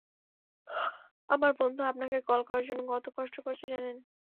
আমার বন্ধু আপনাকে কল করার জন্য কত কষ্ট করেছে জানেন?